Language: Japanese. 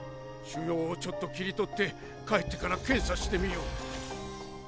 腫瘍をちょっと切り取って帰ってから検査してみよう。